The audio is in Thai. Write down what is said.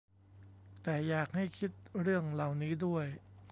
แต่อยากให้คิดเรื่องเหล่านี้ด้วย